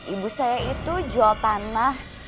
ibu saya itu jual tanah